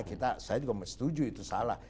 saya juga setuju itu salah